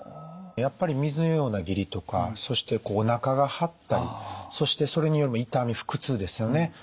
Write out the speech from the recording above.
やっぱり水のような下痢とかそしておなかが張ったりそしてそれによる痛み腹痛ですよね。